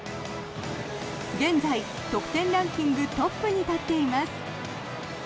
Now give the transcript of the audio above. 現在、得点ランキングトップに立っています。